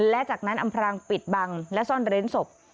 และจากนั้นอำพรางปิดบังและซ่อนเร้นศพ